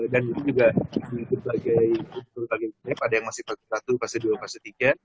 dan itu juga sebagai ada yang masih fase satu fase dua fase tiga